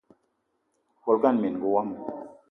Bolo ngana minenga womo